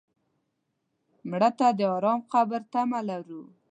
مړه ته د ارام قبر تمه لرو